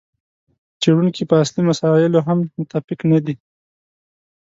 څېړونکي په اصلي مسایلو هم متفق نه دي.